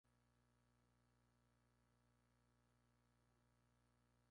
El video termina con un "continuará" que aparece en la pantalla.